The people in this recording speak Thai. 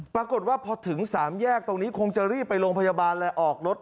ปรากฏว่าพอถึงสามแยกตรงนี้คงจะรีบไปโรงพยาบาลเลยออกรถ